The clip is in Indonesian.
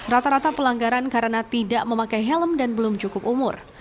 rata rata pelanggaran karena tidak memakai helm dan belum cukup umur